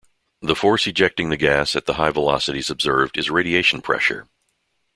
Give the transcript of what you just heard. The force ejecting the gas at the high velocities observed is radiation pressure.